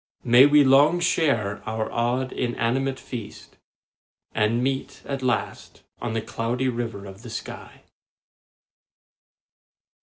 May we long share our odd, inanimate feast, And meet at last on the Cloudy River of the sky.